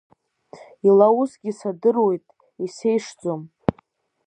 Ила усгьы садыруеит, исеишӡом.